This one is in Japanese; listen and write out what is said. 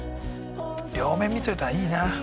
両面見といたらいいな。